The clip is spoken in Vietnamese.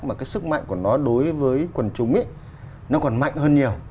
mà cái sức mạnh của nó đối với quần chúng ấy nó còn mạnh hơn nhiều